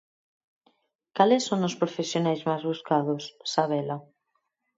Cales son os profesionais máis buscados, Sabela?